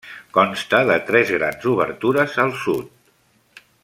Consta de tres grans obertures al sud.